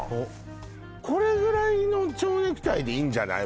これぐらいの蝶ネクタイでいいんじゃない？